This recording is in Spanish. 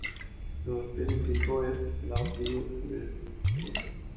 Su especie tipo es "Nautilus crispus".